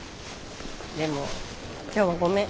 でも今日はごめん。